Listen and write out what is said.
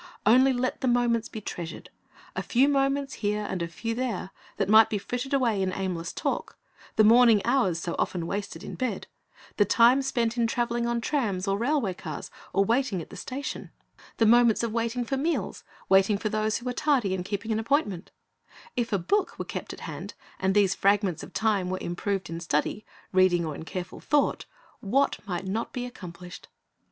Only let the moments be treasured. A few moments here and a few there, that might be frittered away in aimless talk; the morning hours so often wasted in bed; the time spent in traveling on trams or railway cars, or waiting at the station; 1 J^uke 12:20 344 Christ's bj c c t L c s s on s the moments of waiting for meals, waiting for those who are tardy in keeping an appointment, — if a book were kept at hand, and these fragments of time were improved in study, reading, or careful thought, what might not be accomplished.